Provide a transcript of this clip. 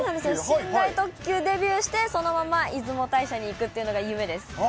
寝台特急デビューして、そのまま出雲大社に行くっていうのが夢です。